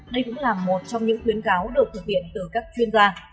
đây cũng là một trong những khuyến cáo được thực hiện từ các chuyên gia